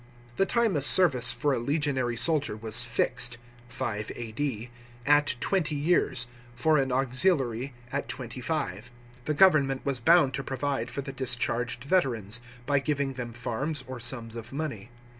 The time of service for a legionary soldier was fixed (5 A.D.) at twenty years, for an auxiliary at twenty five. The government was bound to provide for the discharged veterans, by giving them farms or sums of money.